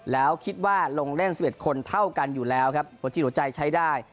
แล้วคิดว่าลงเล่น๑๑คนเท่ากันอยู่แล้วครับหัวจิตหัวใจใช้ได้